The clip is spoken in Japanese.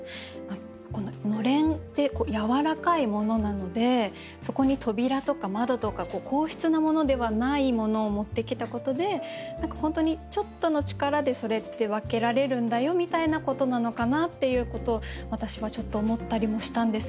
こののれんって柔らかいものなのでそこに扉とか窓とか硬質なものではないものを持ってきたことで何か本当にちょっとの力でそれって分けられるんだよみたいなことなのかなということを私はちょっと思ったりもしたんですけど。